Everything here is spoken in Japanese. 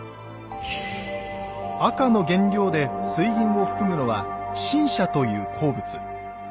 赤の原料で水銀を含むのは「辰砂」という鉱物。